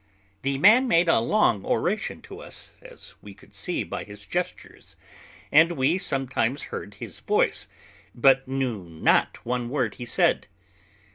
The man made a long oration to us, as we could see by his gestures; and we sometimes heard his voice, but knew not one word he said.